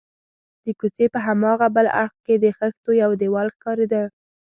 د کوڅې په هاغه بل اړخ کې د خښتو یو دېوال ښکارېده.